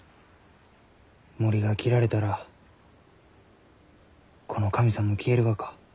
森が切られたらこの神さんも消えるがか？